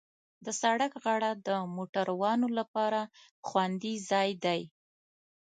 د سړک غاړه د موټروانو لپاره خوندي ځای دی.